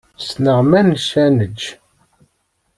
Ssneɣ manec ad neǧǧ.